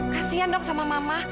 kasian dong sama mama